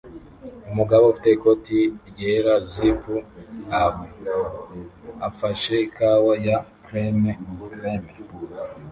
Umugabo ufite ikoti ryera zip up afashe ikawa ya cream cream